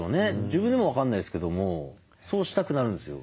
自分でも分かんないですけどもそうしたくなるんですよ。